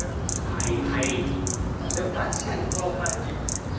はいはいでも確かにこの感じ。